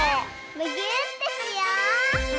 むぎゅーってしよう！